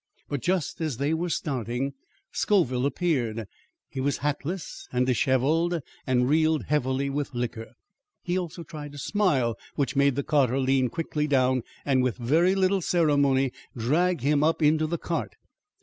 "But just as they were starting Scoville appeared. He was hatless and dishevelled and reeled heavily with liquor. He also tried to smile, which made the carter lean quickly down and with very little ceremony drag him up into the cart.